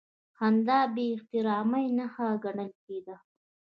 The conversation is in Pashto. خندا د بېاحترامۍ نښه ګڼل کېده.